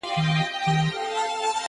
كه ملاقات مو په همدې ورځ وسو ـ